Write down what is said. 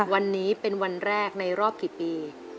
วันนี้เป็นวันแรกในรอบกี่ปี